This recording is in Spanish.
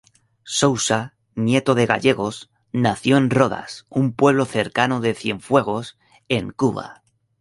Sousa, nieto de gallegos, nació en Rodas, un pueblo cerca de Cienfuegos, en Cuba.